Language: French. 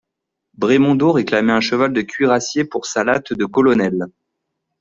Brémondot réclamait un cheval de cuirassier pour sa latte de colonel.